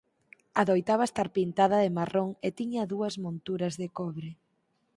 Adoitaba estar pintada de marrón e tiña dúas monturas de cobre.